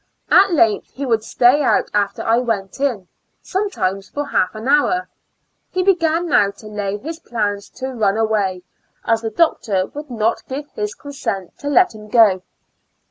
At length he would stay out after I went in, sometimes for half an hour — he began now to lay his plans to run away, as the doctor would not give his consent to let him go.